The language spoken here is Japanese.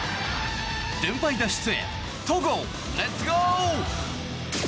連敗脱出へ戸郷、レッツゴー！